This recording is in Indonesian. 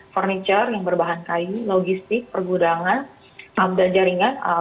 furniture yang berbahan kain logistik pergudangan dan jaringan